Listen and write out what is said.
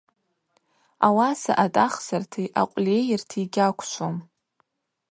Ауаса атӏахсарти акъвльейырти йгьаквшвум.